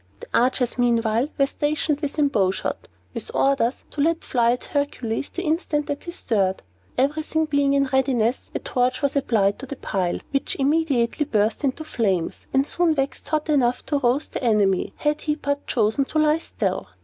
The archers, meanwhile, were stationed within bow shot, with orders to let fly at Hercules the instant that he stirred. Everything being in readiness, a torch was applied to the pile, which immediately burst into flames, and soon waxed hot enough to roast the enemy, had he but chosen to lie still.